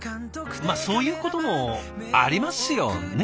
まあそういうこともありますよね？